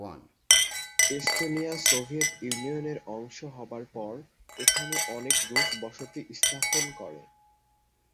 Estonia Soviet ইউনিয়নের অংশ হবার পর এখানে অনেক রুশ বসতি স্থাপন করে।